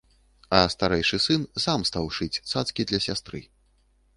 А старэйшы сын сам стаў шыць цацкі для сястры.